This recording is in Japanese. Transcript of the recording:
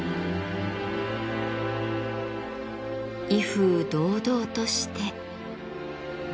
威風堂々として。